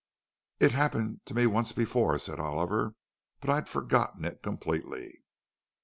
"It happened to me once before," said Oliver. "But I'd forgotten it completely."